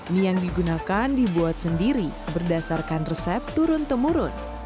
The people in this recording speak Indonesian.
mie yang digunakan dibuat sendiri berdasarkan resep turun temurun